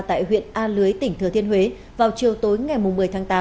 tại huyện a lưới tỉnh thừa thiên huế vào chiều tối ngày một mươi tháng tám